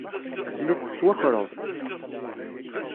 Telliḍ tettwakareḍ.